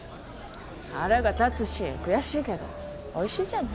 腹が立つし悔しいけどおいしいじゃない。